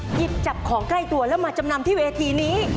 หยิบจับของใกล้ตัวแล้วมาจำนำที่เวทีนี้